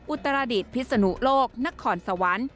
อุตรดิษฐ์พิศนุโลกนครสวรรค์